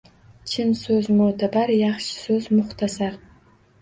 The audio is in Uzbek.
Chin so'z mo'tabar, Yaxshi so'z muxtasar.